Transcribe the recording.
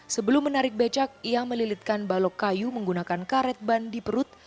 sebelum menarik becak ia melilitkan balok kayu menggunakan karet ban di perut